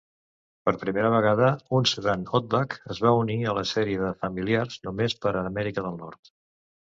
Per primera vegada, un sedan Outback es va unir a la sèrie de familiars només per Amèrica del Nord.